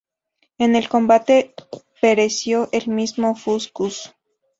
En el combate pereció el mismo Fuscus.